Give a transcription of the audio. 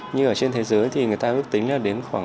nhưng ở trên thế giới thì người ta ước tính là đến khoảng